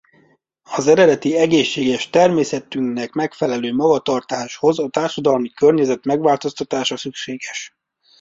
Az eredeti egészséges természetünknek megfelelő magatartáshoz a társadalmi környezet megváltoztatása szükséges.